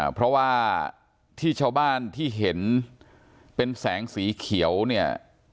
เพราะว่าที่ชาวบ้านที่เห็นเป็นแสงสีเขียวเนี่ย